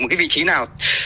một cái vị trí nào